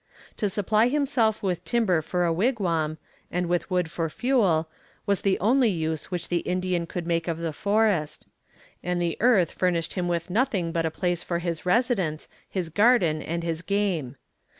To supply himself with timber for a wigwam, and with wood for fuel, was the only use which the Indian could make of the forest; and the earth furnished him with nothing but a place for his residence, his garden, and his game.